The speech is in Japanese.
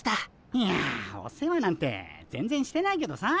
いやお世話なんて全然してないけどさ。